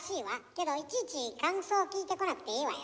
けどいちいち感想を聞いてこなくていいわよ。